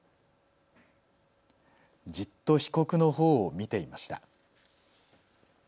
じっと被告のほうを見ていました。